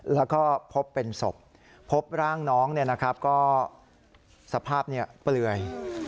แล้วก็พบเป็นศพพบร่างน้องก็สภาพเปลือย